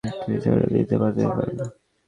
তুমি চাইলে আমাদের মৃত্যুর মুখে ঠেলে দিতে পারতে।